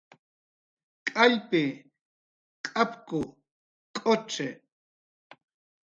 K'allpi, k'apku, k'ucxi